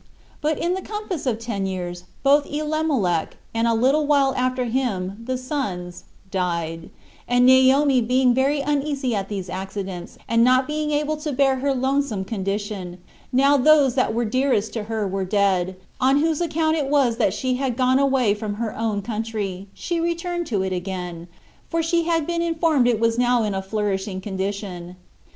But in the compass of ten years, both Elimelech, and a little while after him, the sons, died; and Naomi being very uneasy at these accidents, and not being able to bear her lonesome condition, now those that were dearest to her were dead, on whose account it was that she had gone away from her own country, she returned to it again, for she had been informed it was now in a flourishing condition.